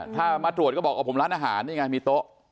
ถ้ามาตรวจก็บอกผมร้านอาหารนี่ไงมีโต๊ะ